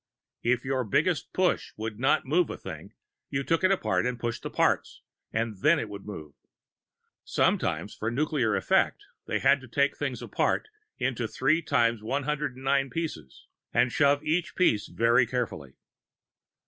If your biggest push would not move a thing, you took it apart and pushed the parts, and then it would move. Sometimes, for nuclear effects, they had to take things apart into 3 × 10^9 pieces and shove each piece very carefully.